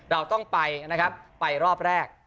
เราต้องไปนะครับไปรอบแรก